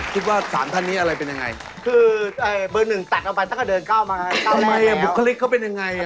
ทำไมอะก็เป็นไงอะ